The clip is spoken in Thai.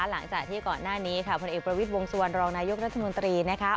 หลังจากที่ก่อนหน้านี้ค่ะผลเอกประวิทย์วงสุวรรณรองนายกรัฐมนตรีนะคะ